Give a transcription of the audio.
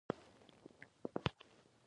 نو په د وخت کې دصمد پلار جبار